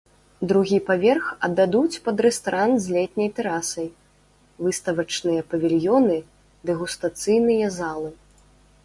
Другі паверх аддадуць пад рэстаран з летняй тэрасай, выставачныя павільёны, дэгустацыйныя залы.